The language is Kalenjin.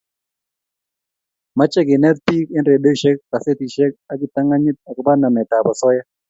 Mache kenet piik eng' redioishek ,gazetishek ak kiptang'anyit akoba namet ab asoya